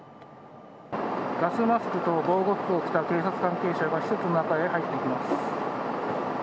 ガスマスクと防護服を着た警察関係者が施設の中へ入っていきます。